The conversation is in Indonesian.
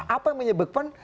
apa yang menyebabkan